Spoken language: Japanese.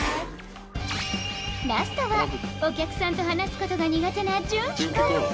ラストはお客さんと話すのことが苦手な純氣くん